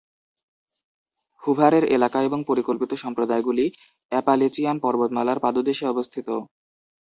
হুভারের এলাকা এবং পরিকল্পিত সম্প্রদায়গুলি অ্যাপালেচিয়ান পর্বতমালার পাদদেশে অবস্থিত।